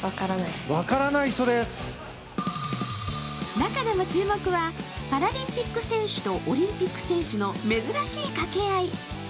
中でも注目は、パラリンピック選手とオリンピック選手の珍しいかけ合い。